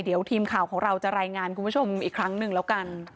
เดี๋ยวทีมข่าวของเราจะรายงานคุณผู้ชมอีกครั้งหนึ่งแล้วกัน